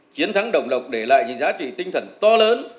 chiến thắng đồng lộc để lại những giá trị tinh thần to lớn